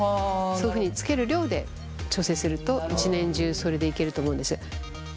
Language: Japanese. そういうふうにつける量で調整すると一年中それでいけると思うんです。